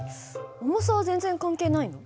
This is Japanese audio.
重さは全然関係ないの？